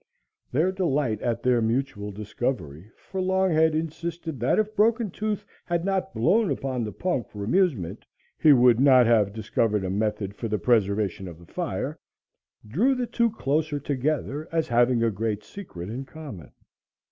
Their delight at their mutual discovery for Longhead insisted that if Broken Tooth had not blown upon the punk for amusement, he would not have discovered a method for the preservation of the fire drew the two closer together as having a great secret in common.